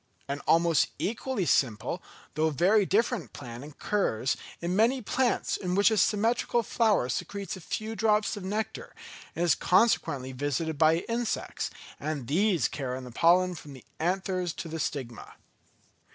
An almost equally simple, though very different plan occurs in many plants in which a symmetrical flower secretes a few drops of nectar, and is consequently visited by insects; and these carry the pollen from the anthers to the stigma.